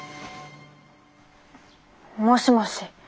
もしもし。